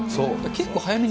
結構早めに。